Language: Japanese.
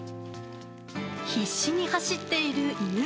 必死に走っている犬。